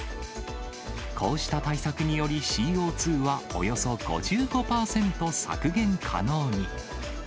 こうした対策により、ＣＯ２はおよそ５５％削減可能に。